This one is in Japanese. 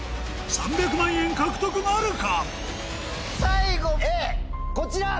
３００万円獲得なるか？